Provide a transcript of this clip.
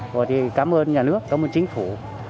rồi thì cảm ơn nhà nước cảm ơn chính phủ